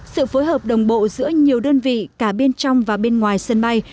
sự phối hợp đồng bộ giữa nhiều đơn vị cả bên trong và bên ngoài sân bay